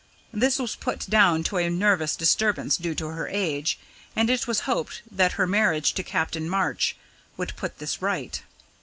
This was put down to a nervous disturbance due to her age, and it was hoped that her marriage to Captain March would put this right.